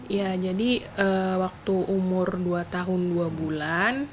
ya jadi waktu umur dua tahun dua bulan